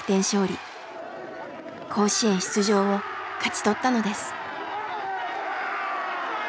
甲子園出場を勝ち取ったのです。